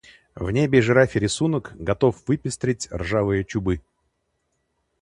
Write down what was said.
В небе жирафий рисунок готов выпестрить ржавые чубы.